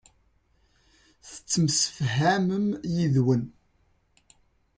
Tettemsefham yid-wen.